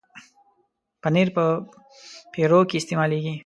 پنېر په پیروکي کې استعمالېږي.